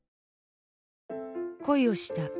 恋をした。